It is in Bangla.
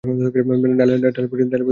ডালের বড়ি এর আগে আমি খাই নি!